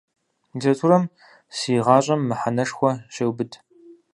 Литературэм си гъащӏэм мэхьэнэшхуэ щеубыд.